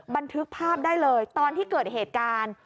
บันทึกภาพได้เลยตอนที่เกิดเหตุการณ์